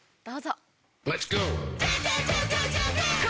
どうぞ。